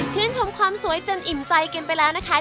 เชื่อร์ชอบความสวยจนอิ่มใจกันไปแล้วค่ะ